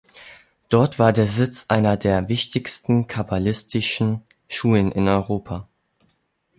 Dort war der Sitz einer der wichtigsten kabbalistischen Schulen in Europa.